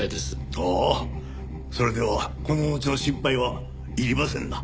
ああそれではこののちの心配はいりませんな。